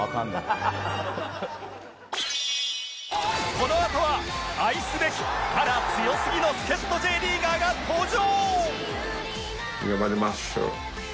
このあとは愛すべきキャラ強すぎの助っ人 Ｊ リーガーが登場